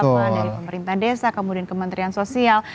terutama dari pemerintah desa kemudian kementerian sosial